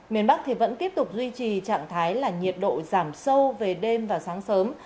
miền bắc thì vẫn tiếp tục duy trì trạng thái là nhiệt độ giảm sâu về đêm và sáng sớm